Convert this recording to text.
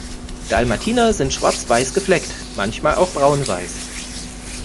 Dalmatiner sind schwarz-weiß gefleckt, manchmal auch braun-weiß.